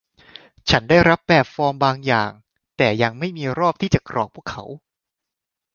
ฉันได้รับแบบฟอร์มบางอย่าง แต่ยังไม่มีรอบที่จะกรอกพวกเขา